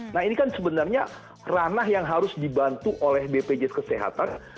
nah ini kan sebenarnya ranah yang harus dibantu oleh bpjs kesehatan